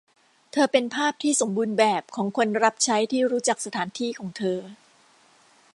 เธอเป็นภาพที่สมบูรณ์แบบของคนรับใช้ที่รู้จักสถานที่ของเธอ